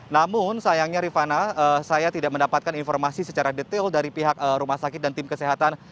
namun sayangnya rifana saya tidak mendapatkan informasi secara detail dari pihak rumah sakit dan tim kesehatan